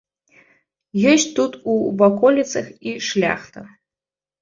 Ёсць тут у ваколіцах і шляхта.